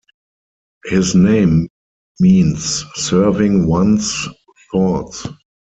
His name means serving one's thoughts.